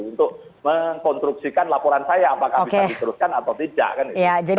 untuk mengkonstruksikan laporan saya apakah bisa diteruskan atau tidak